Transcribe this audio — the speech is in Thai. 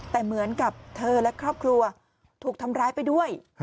แต่เหมือนกับเธอและครอบครัวถูกทำร้ายไปด้วย